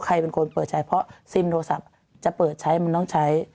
ใครเป็นคนเปิดใช้เพราะซิมโทรศัพท์จะเปิดใช้มันต้องใช้